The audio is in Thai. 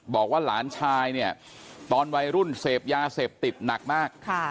บอกว่าหลานชายเนี่ยตอนวัยรุ่นเสพยาเสพติดหนักมาก